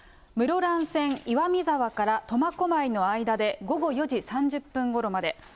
室蘭線岩見沢から苫小牧の間で午後４時３０分ごろまで。